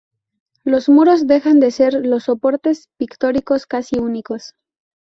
Los muros dejan de ser los soportes pictóricos casi únicos.